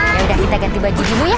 yaudah kita ganti baju dulu ya